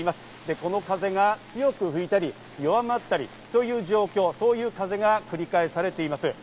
この風が強く吹いたり弱まったりという状況、そういう風が繰り返されています。